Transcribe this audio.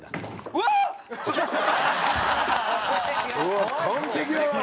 うわあ完璧だな。